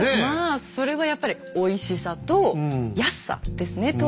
まあそれはやっぱりおいしさと安さですね。